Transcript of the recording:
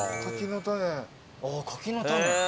柿の種。